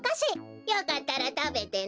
よかったらたべてね。